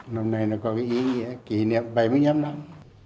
năm nay nó có cái ý nghĩa kỷ niệm bảy mươi năm năm